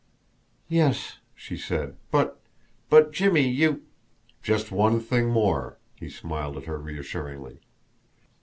"Yes," she said. "But but, Jimmie, you " "Just one thing more." He smiled at her reassuringly.